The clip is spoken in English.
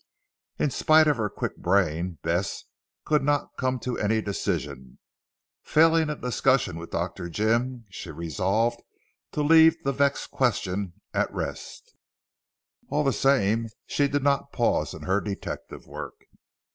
In spite of her quick brain, Bess could not come to any decision. Failing a discussion with Dr. Jim she resolved to leave the vexed question at rest. All the same she did not pause in her detective work.